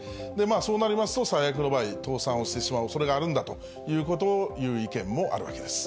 そうなりますと、最悪の場合、倒産をしてしまうおそれがあるんだということをいう意見もあるわけです。